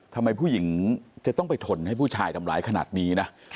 ทำไมผู้หญิงจะต้องไปทนให้ผู้ชายทำร้ายขนาดนี้นะ